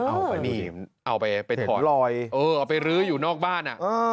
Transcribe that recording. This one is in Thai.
โอ้โหนี่มันเอาไปทอดเออเอาไปรื้ออยู่นอกบ้าน